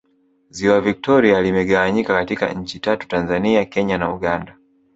ziwa victoria limegawanyika katika nchi tatu tanzania kenya na uganda